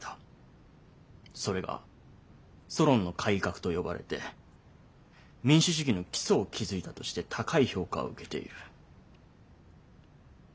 それがソロンの改革と呼ばれて民主主義の基礎を築いたとして高い評価を受けている。